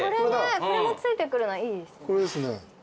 これも付いてくるのいいですね。